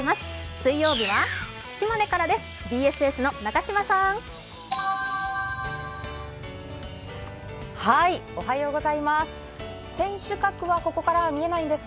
水曜日は島根からです。